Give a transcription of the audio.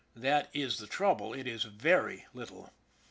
That is the trouble it is very little.